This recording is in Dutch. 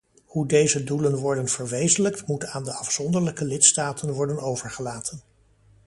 Hoe deze doelen worden verwezenlijkt moet aan de afzonderlijke lidstaten worden overgelaten.